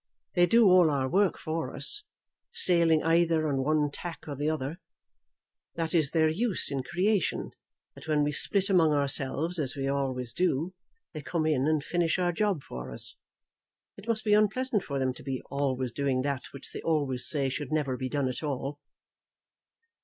They do all our work for us, sailing either on one tack or the other. That is their use in creation, that when we split among ourselves, as we always do, they come in and finish our job for us. It must be unpleasant for them to be always doing that which they always say should never be done at all."